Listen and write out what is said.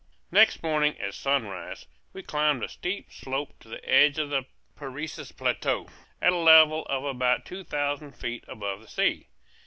Next morning at sunrise we climbed a steep slope to the edge of the Parecis plateau, at a level of about two thousand feet above the sea.